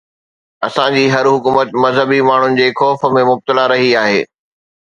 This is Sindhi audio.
اسان جي هر حڪومت مذهبي ماڻهن جي خوف ۾ مبتلا رهي آهي.